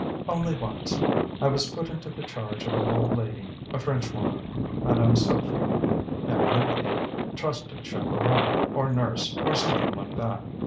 "Only once. I was put into the charge of an old lady, a Frenchwoman, Madame Sofie; evidently a trusted chaperon, or nurse, or something like that.